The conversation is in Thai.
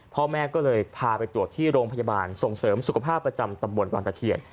พ่อแม่ก็เลยพาไปตรวจที่โรงพยาบาลส่งเสริมสุขภาพประจำตำบลวังตะเคียน